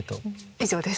以上です。